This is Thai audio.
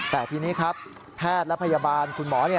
ที่นี่ครับแเป็ดและพยาบาลคุณหมอ